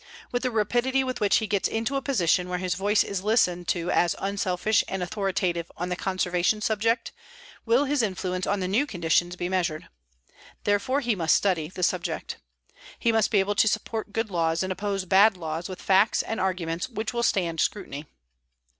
With the rapidity with which he gets into a position where his voice is listened to as unselfish and authoritative on the conservation subject, will his influence on the new conditions be measured. Therefore, he must study the subject. He must be able to support good laws and oppose bad laws with facts and arguments which will stand scrutiny.